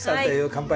乾杯！